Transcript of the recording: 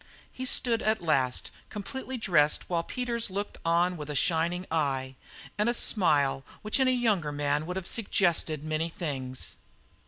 He stood at last completely dressed while Peters looked on with a shining eye and a smile which in a younger man would have suggested many things.